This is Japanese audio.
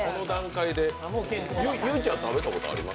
結実ちゃん、食べたことあります？